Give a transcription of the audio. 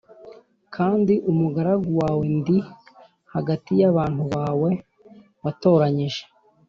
Kandi umugaragu wawe ndi hagati y’abantu bawe watoranyije